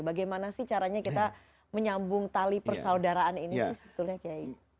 bagaimana sih caranya kita menyambung tali persaudaraan ini